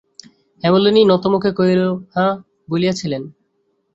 হেমনলিনী নতমুখে কহিল, হাঁ, বলিয়াছিলেন।